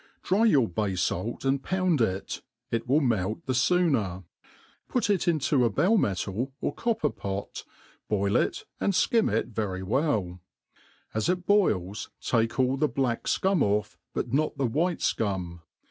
Dry your bay fait and pound it, it will melt the fooner; put it into a bell metal, or copper po:, boil it and flcim it very well ; as itbpils^ take all the black fcum off, but not the white fcum.